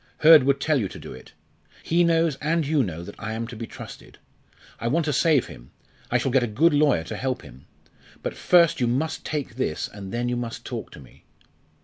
Hurd would tell you to do it. He knows and you know that I am to be trusted. I want to save him. I shall get a good lawyer to help him. But first you must take this and then you must talk to me."